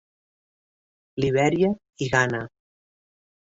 Libèria i Ghana.